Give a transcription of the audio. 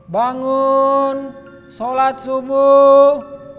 bangun sholat subuh